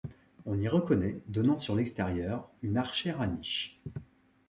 On y reconnaît, donnant sur l'extérieur une archère à niche.